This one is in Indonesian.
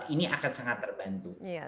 ini akan sangat terbantu